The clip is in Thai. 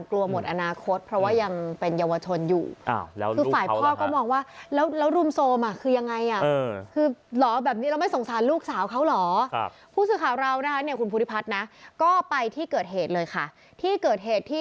กลัวหมดอนาคตเพราะว่ายังเป็นเยาทนอยู่